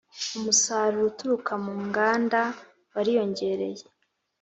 umusaruro uturuka mu nganda wariyongereye